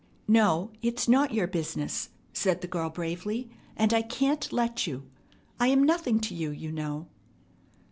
"No, it's not your business," said the girl bravely, "and I can't let you. I'm nothing to you, you know."